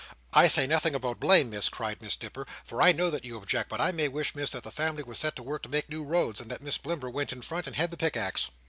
"I say nothing about blame, Miss," cried Miss Nipper, "for I know that you object, but I may wish, Miss, that the family was set to work to make new roads, and that Miss Blimber went in front and had the pickaxe."